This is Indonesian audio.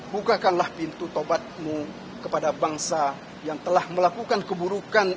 bukakanlah pintu tobatmu kepada bangsa yang telah melakukan keburukan